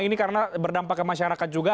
ini karena berdampak ke masyarakat juga